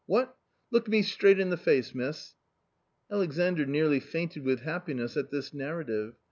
What ? look me straight in the face, miss !" Alexandr nearly fainted with happiness at this narrative.